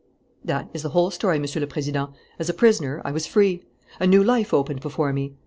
"That is the whole story, Monsieur le Président. As a prisoner, I was free. A new life opened before me.